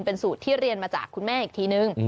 เป็นสูตรที่เรียนมาจากคุณแม่อีกทีนึง